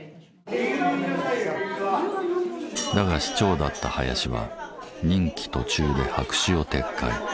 だが市長だった林は任期途中で白紙を撤回。